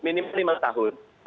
minimum lima tahun